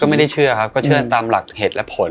ไม่ได้เชื่อครับก็เชื่อตามหลักเหตุและผล